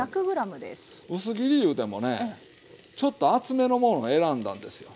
薄切りいうてもねちょっと厚めのものを選んだんですよ。